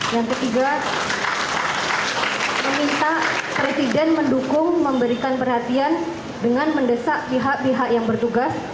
yang ketiga meminta presiden mendukung memberikan perhatian dengan mendesak pihak pihak yang bertugas